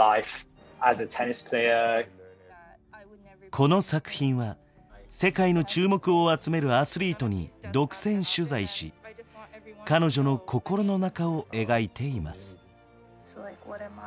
この作品は世界の注目を集めるアスリートに独占取材し彼女の心の中を描いています。